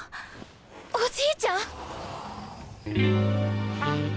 ・おじいちゃん！